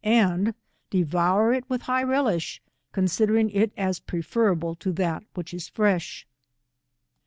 119 and devour U witli high pelisb, eoDfiideriog it as pre feraUle to that which is fregh.